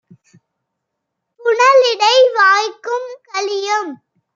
புனலிடை வாய்க்கும் கலியும்